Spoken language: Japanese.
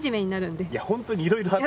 本当にいろいろあって。